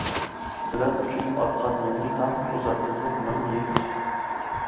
سىلەر ئۈچۈن ئاتقان يېڭى تاڭ، ئۇزارتىدۇ مىڭ يىل يېشىمنى.